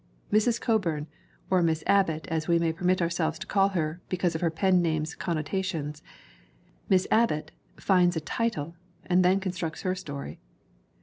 Mrs. Coburn, or Miss Abbott as we may permit ourselves to call her because of her pen name's con notations Miss Abbott finds a title and then con structs her story.